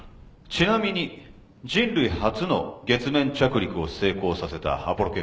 ちなみに人類初の月面着陸を成功させたアポロ計画。